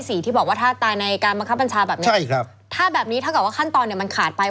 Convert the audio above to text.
ตอนที่๔ถ้าการตายในการบังคับมัญชาแบบนี้ถ้าเกี่ยวกับเข้าขั้นตอนขาดไป